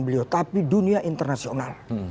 beliau tapi dunia internasional